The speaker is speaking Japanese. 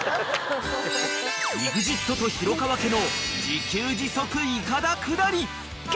［ＥＸＩＴと廣川家の自給自足いかだ下り］